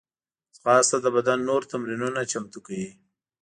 ځغاسته د بدن نور تمرینونه چمتو کوي